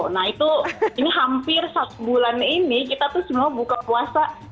nah itu ini hampir satu bulan ini kita tuh semua buka puasa